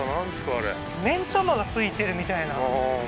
あれ目ん玉が付いてるみたいなああー